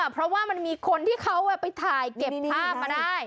เพราะว่ามันมีคนที่เขาไปถ่ายเก็บภาพมาได้